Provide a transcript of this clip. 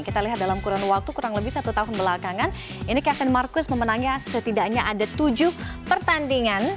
kita lihat dalam kurun waktu kurang lebih satu tahun belakangan ini kevin marcus memenangnya setidaknya ada tujuh pertandingan